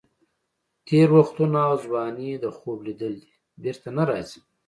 تېر وختونه او ځواني د خوب لیدل دي، بېرته نه راځي.